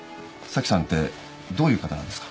咲さんてどういう方なんですか？